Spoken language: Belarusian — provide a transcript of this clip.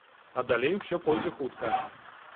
А далей усё пойдзе хутка.